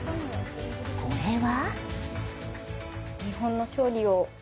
これは？